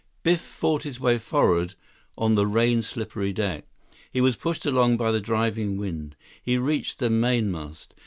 Biff fought his way forward on the rain slippery deck. He was pushed along by the driving wind. He reached the mainmast.